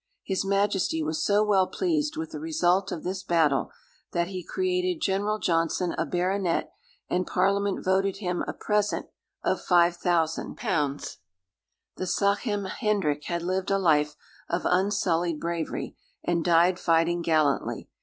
His Majesty was so well pleased with the result of this battle, that he created General Johnson a baronet, and Parliament voted him a present of 5000_l._ The Sachem Hendrick had lived a life of unsullied bravery, and died fighting gallantly.